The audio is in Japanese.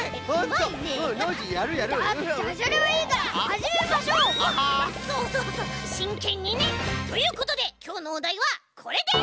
そうそうそうしんけんにね。ということできょうのおだいはこれです。